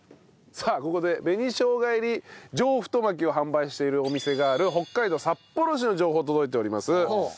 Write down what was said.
さあここで紅生姜入り！上太巻きを販売しているお店がある北海道札幌市の情報届いております。